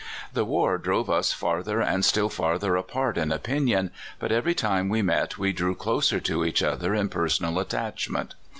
The war drove us farther and still farther apart in opinion, but every time we met we drew closer to each other in personal attachment.